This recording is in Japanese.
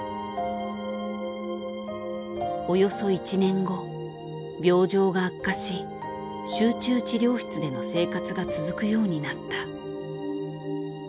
およそ１年後病状が悪化し集中治療室での生活が続くようになった。